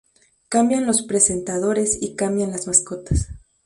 Cambian los presentadores y cambian las mascotas.